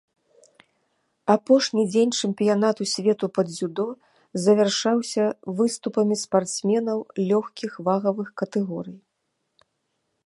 Апошні дзень чэмпіянату свету па дзюдо завяршаўся выступамі спартсменаў лёгкіх вагавых катэгорый.